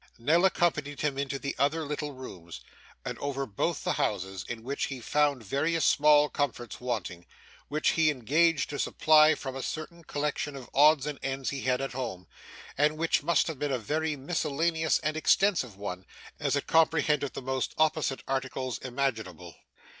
Nell accompanied him into the other little rooms, and over both the houses, in which he found various small comforts wanting, which he engaged to supply from a certain collection of odds and ends he had at home, and which must have been a very miscellaneous and extensive one, as it comprehended the most opposite articles imaginable.